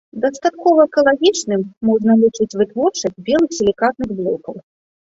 Дастаткова экалагічным можна лічыць вытворчасць белых сілікатных блокаў.